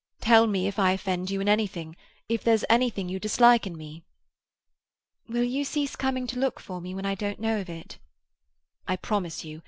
Tell me if I offend you in anything—if there's anything you dislike in me." "Will you cease coming to look for me when I don't know of it?" "I promise you.